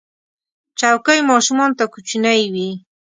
چوکۍ ماشومانو ته کوچنۍ وي.